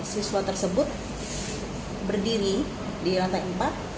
siswa tersebut berdiri di lantai empat